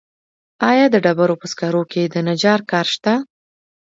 آیا د ډبرو په سکرو کې د نجار کار شته